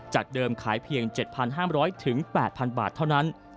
เดิมขายเพียง๗๕๐๐๘๐๐บาทเท่านั้น